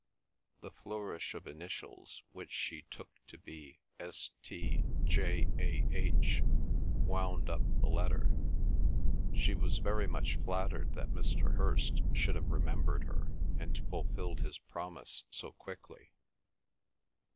The flourish of initials which she took to be St. J. A. H., wound up the letter. She was very much flattered that Mr. Hirst should have remembered her, and fulfilled his promise so quickly.